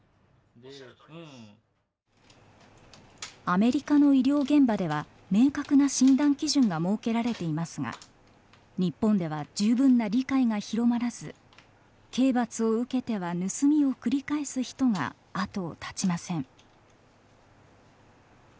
アメリカの医療現場では明確な診断基準が設けられていますが日本では十分な理解が広まらず刑罰を受けては盗みを繰り返す人が後を絶ちません。